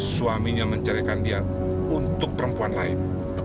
suaminya mencarikan dia untuk perempuan lain